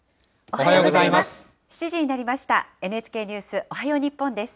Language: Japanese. おはようございます。